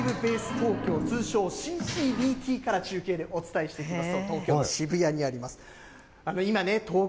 東京、通称ＣＣＶＴからお伝えしていきます。